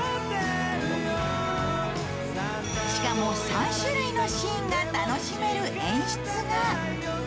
しかも、３種類のシーンが楽しめる演出が。